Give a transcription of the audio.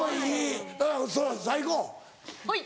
はい。